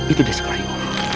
itu dia sekalian